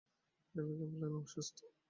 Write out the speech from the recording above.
ড্রাইভারকে বললেন, ও অসুস্থ।